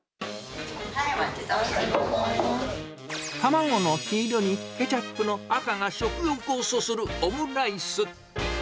はい、卵の黄色に、ケチャップの赤が食欲をそそるオムライス。